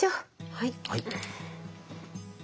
はい。